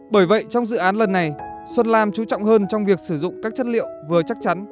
bởi vậy trong dự án lần này xuân lam chú trọng hơn trong việc sử dụng các chất liệu vừa chắc chắn